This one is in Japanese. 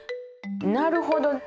なるほど。